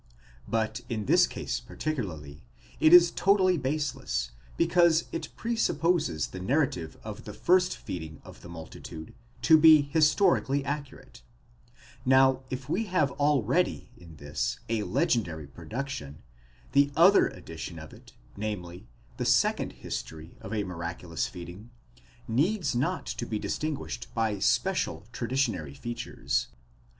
But, in this case particularly, it is totally baseless, because it presupposes the narrative of the first feeding of the multitude to be historically accurate; now, if we have already in this a legendary production, the other edition of it, namely, the second history of a miraculous feeding, needs not to be distinguished by special traditionary features.